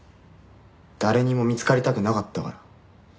誰にも見つかりたくなかったから。